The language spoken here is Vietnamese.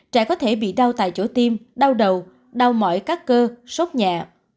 trẻ có thể bị đau tại chỗ tim đau đầu đau mỏi các cơ sốt nhẹ